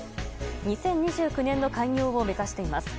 ２０２９年の開業を目指しています。